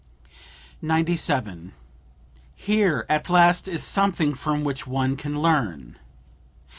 "Here, at last, is something from which one can learn!"